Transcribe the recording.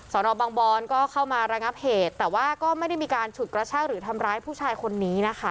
นบางบอนก็เข้ามาระงับเหตุแต่ว่าก็ไม่ได้มีการฉุดกระชากหรือทำร้ายผู้ชายคนนี้นะคะ